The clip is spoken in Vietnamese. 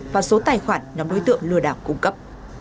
vào số tài khoản nhóm đối tượng lừa đảo cung cấp